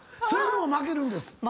それでも負けるんです。